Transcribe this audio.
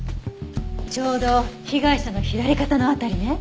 ちょうど被害者の左肩の辺りね。